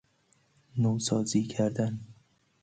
نوسازی کردن